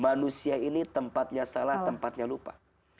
manusia ini tempatnya salah tempatnya lupa